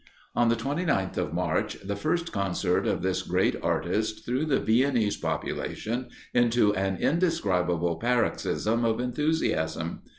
On the 29th of March, the first concert of this great artist threw the Viennese population into an indescribable paroxysm of enthusiasm.